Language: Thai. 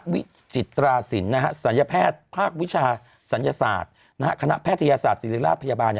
วิจิตราศิลป์ศัลยแพทย์ภาควิชาศัลยศาสตร์คณะแพทยศาสตร์ศิริราชพยาบาล